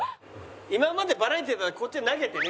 今までバラエティだったらこっちに投げてね